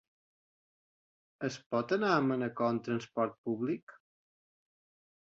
Es pot anar a Manacor amb transport públic?